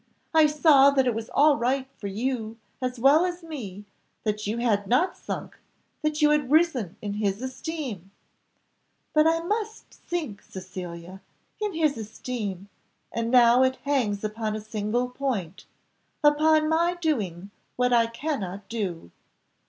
I saw that it was all right for you as well as me, that you had not sunk, that you had risen in his esteem." "But I must sink, Cecilia, in his esteem, and now it hangs upon a single point upon my doing what I cannot do."